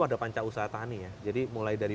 ada panca usaha tani ya jadi mulai dari